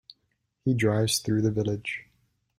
He drives through the village.